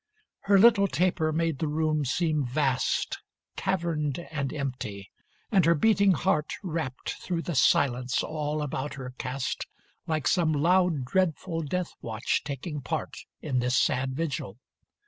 XXIII Her little taper made the room seem vast, Caverned and empty. And her beating heart Rapped through the silence all about her cast Like some loud, dreadful death watch taking part In this sad vigil.